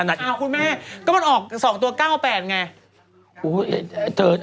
อ้าวคุณแม่ก็มันออก๒ตัว๙๘ไง